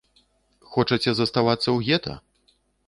Хочаце заставацца ў гета?